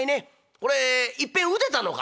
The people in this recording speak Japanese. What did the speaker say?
これいっぺんうでたのか？」。